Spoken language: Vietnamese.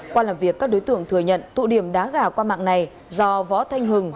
qua làm việc các đối tượng thừa nhận tụ điểm đá gà qua mạng này do võ thanh hưng